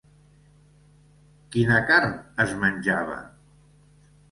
Quina carn es menjava?